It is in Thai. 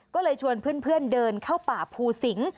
ก็เลยชวนเพื่อนเดินเข้าป่าภูสิง